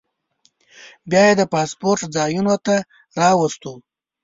بیا یې د پاسپورټ ځایونو ته راوستو.